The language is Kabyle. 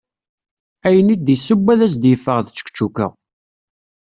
Ayen i d-iseww ad as-d-yeffeɣ d ččekčuka.